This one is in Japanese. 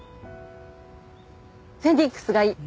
フェニックスがいい！